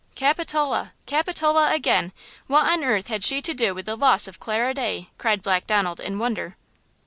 "Capitola! Capitola again! What on earth had she to do with the loss of Clara Day?" cried Black Donald, in wonder.